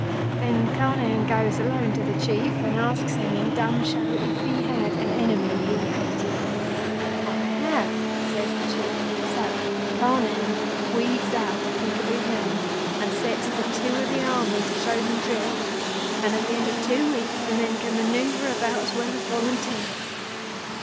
Then Carnehan goes alone to the Chief, and asks him in dumb show if he had an enemy he hated. 'I have,' says the Chief. So Carnehan weeds out the pick of his men, and sets the two of the Army to show them drill and at the end of two weeks the men can manœuvre about as well as Volunteers.